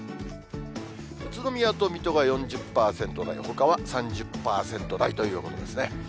宇都宮と水戸が４０％台、ほかは３０％台ということですね。